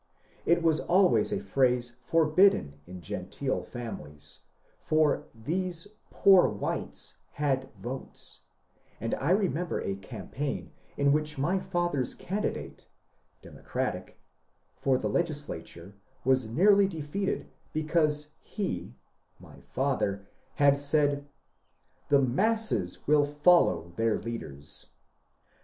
It was al ways a phrase forbidden in genteel families, for these ^^ poor whites " had votes, and I remember a campaign in which my father's candidate (Democratic) for the Legislature was nearly defeated because he (my father) had said, The masses will follow their leaders."